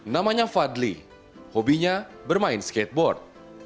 namanya fadli hobinya bermain skateboard